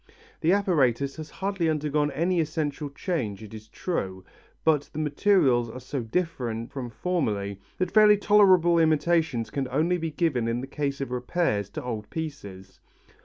The apparatus has hardly undergone any essential change it is true, but the materials are so different from formerly that fairly tolerable imitations can only be given in the case of repairs to old pieces.